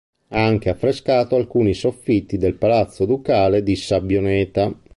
Ha anche affrescato alcuni soffitti del Palazzo Ducale di Sabbioneta.